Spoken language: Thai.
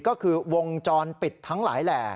ก็คือวงจรปิดทั้งหลายแหล่